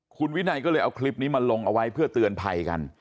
คุณวินัยก็เลยเอาคลิปนี้มาลงเอาไว้เพื่อเตือนภัยกัน